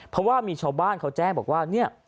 เพราะว่ามีชาวบ้านเขาแจ้งบอกว่าเนี่ย